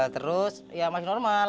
terus ya masih normal